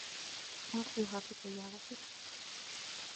ما رأيها في سيارتي؟